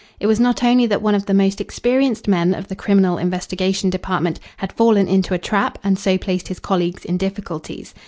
It was not only that one of the most experienced men of the Criminal Investigation Department had fallen into a trap and so placed his colleagues in difficulties.